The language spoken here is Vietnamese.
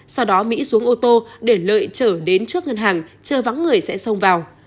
sau đó mỹ xuống ô tô để lợi chở đến trước ngân hàng chờ vắng người sẽ xông vào